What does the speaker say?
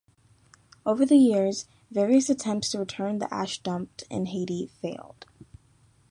Over the years, various attempts to return the ash dumped in Haiti failed.